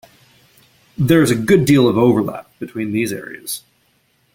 There is a good deal of overlap between these areas.